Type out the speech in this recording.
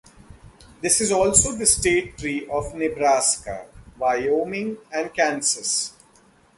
This is also the state tree of Nebraska, Wyoming, and Kansas.